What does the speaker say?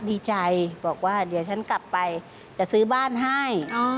ดีใจบอกว่าเดี๋ยวฉันกลับไปจะซื้อบ้านให้